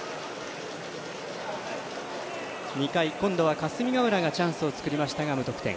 ２回、霞ヶ浦がチャンスを作りましたが無得点。